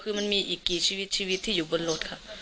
คือมันมีอีกกี่ชีวิตชีวิตที่อยู่บนรถค่ะ